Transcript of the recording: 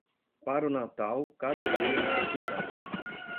Para o Natal, cada ovelha no seu quintal.